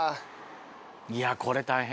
いやこれ大変。